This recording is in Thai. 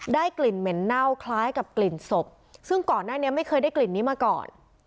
กลิ่นเหม็นเน่าคล้ายกับกลิ่นศพซึ่งก่อนหน้านี้ไม่เคยได้กลิ่นนี้มาก่อน